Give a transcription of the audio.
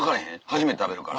初めて食べるから？